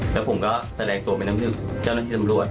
แล้วผมก็แสดงตัวเป็นน้ำหนึ่งเจ้าหน้าที่ตำรวจ